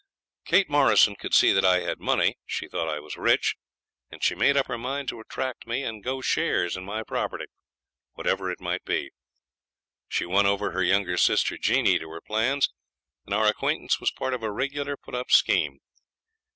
Kate Morrison could see that I had money. She thought I was rich, and she made up her mind to attract me, and go shares in my property, whatever it might be. She won over her younger sister, Jeanie, to her plans, and our acquaintance was part of a regular put up scheme.